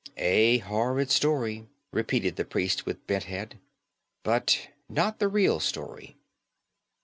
"A horrid story," repeated the priest with bent head. "But not the real story."